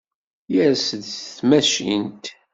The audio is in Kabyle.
Yers-d seg tmacint.